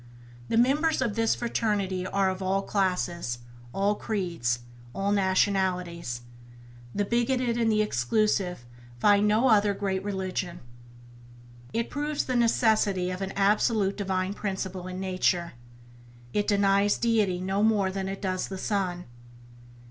The members of this fraternity are of all classes, all creeds, all nationalities: the bigoted and the exclusive find no other great religion. It proves the necessity of an absolute divine principle in nature. It denies Deity no more than it does the sun.